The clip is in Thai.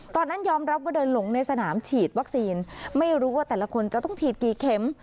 ตอนนั้นยอมรับว่าเดินหลงในสนามฉีดวัคซีนไม่รู้ว่าแต่ละคนจะต้องฉีดกี่เข็ม